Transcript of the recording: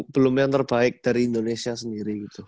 belum yang terbaik dari indonesia sendiri gitu